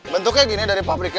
bentuknya gini dari pabriknya